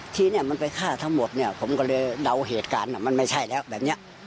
ที่เนี่ยมันไปฆ่าทั้งหมดเนี่ยผมก็เลยเดาเหตุการณ์มันไม่ใช่แล้วแบบนี้